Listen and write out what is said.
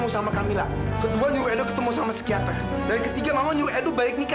sampai jumpa di video selanjutnya